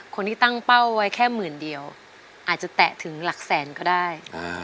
คนที่ตั้งเป้าไว้แค่หมื่นเดียวอาจจะแตะถึงหลักแสนก็ได้